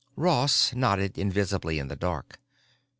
Ross nodded invisibly in the dark.